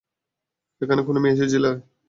এখানে কোনো মেয়ে এসেছিল?